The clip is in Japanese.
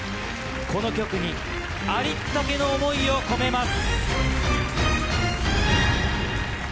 この曲にありったけの思いを込めます。